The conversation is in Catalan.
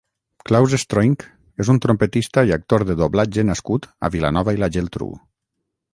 Klaus Stroink és un trompetista i actor de doblatge nascut a Vilanova i la Geltrú.